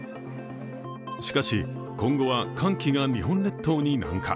しかし、今後は寒気が日本列島に南下。